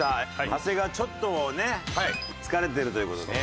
長谷川ちょっとね疲れてるという事で。